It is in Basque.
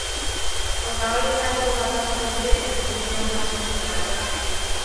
Hautagaietariko bakar batek ere ez du konfidantza osorik ematen.